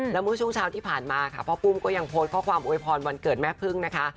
แล้วเมื่อช่วงเช้าที่ผ่านมาค่ะพ่อปุ้มก็ยังโพสต์ข้อความโวยพรวันเกิดแม่พึ่งนะคะ